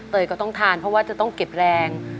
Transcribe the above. ก็ต้องทานเพราะว่าจะต้องเก็บแรง